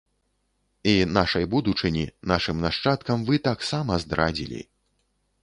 І нашай будучыні, нашым нашчадкам вы таксама здрадзілі!